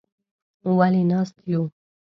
_ولې ناست يو؟